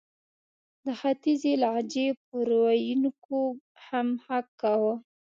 د ختیځې لهجې پر ویونکو هم ږغ کاوه.